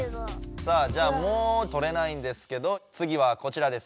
さあじゃあもうとれないんですけどつぎはこちらです。